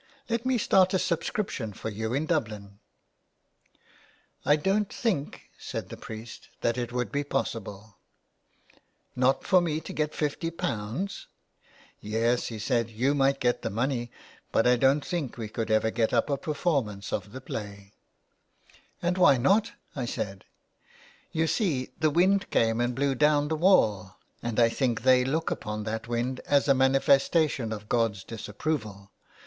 Let me start a subscription for you in Dublin !"I don't think," said the priest, " that it would be possible ''" Not for me to get fifty pounds ?"Yes," he said, '' you might get the money, but I don't think we could ever get up a performance of the play." 233 A PLAY HOUSE IN THE WASTE. " And why not ?" I said. " You see the wind came and blew down the wall, and I think they look upon that wind as a manifesta tion of God's disapproval.